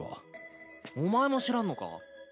お前も知らんのか？